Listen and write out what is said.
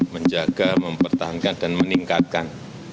menjaga mempertahankan dan meningkatkan